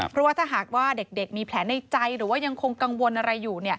เพราะว่าถ้าหากว่าเด็กมีแผลในใจหรือว่ายังคงกังวลอะไรอยู่